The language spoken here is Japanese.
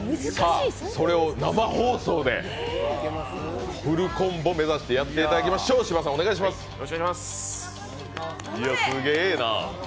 それを生放送でフルコンボ目指してやっていただきましょうお願いします。